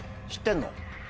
知ってんの？